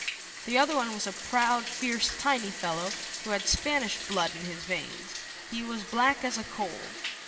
The other one was a proud, fierce, tiny fellow, who had Spanish blood in his veins. He was black as a coal.